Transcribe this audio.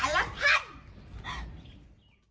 มึงมึงตีกูสารรักษัตริย์